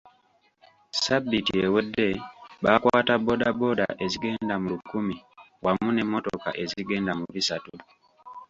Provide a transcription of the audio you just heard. Ssabbiiti ewedde baakwata boda boda ezigenda mu lukumi wamu ne motoka ezigenda mu bisatu.